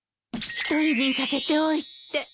一人にさせておいて。